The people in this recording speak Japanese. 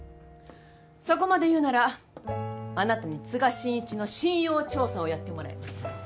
そこまで言うならあなたに都賀真一の信用調査をやってもらいます。